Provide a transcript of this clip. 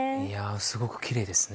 すごくきれいですね。